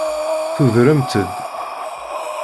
Tudremt-d.